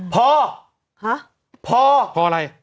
พอพออะไร